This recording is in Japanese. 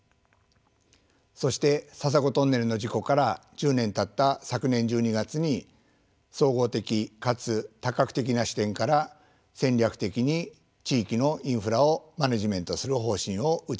そして笹子トンネルの事故から１０年たった昨年１２月に総合的かつ多角的な視点から戦略的に地域のインフラをマネジメントする方針を打ち出しました。